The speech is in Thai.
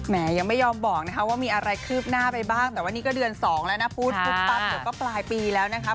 แหมยังไม่ยอมบอกว่ามีอะไรคืบหน้าไปบ้างแต่วันนี้ก็เดือน๒แล้วนะพุทธก็ปลายปีแล้วนะครับ